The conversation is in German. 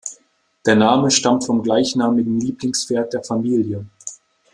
Der Name stammt vom gleichnamigen Lieblingspferd der Familie.